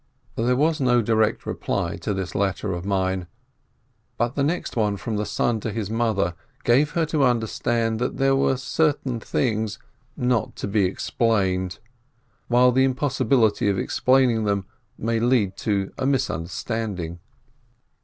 There was no direct reply to this letter of mine, but the next one from the son to his mother gave her to 306 BERSCHADSKI understand that there are certain things not to be explained, while the impossibility of explaining them may lead to a misunderstanding.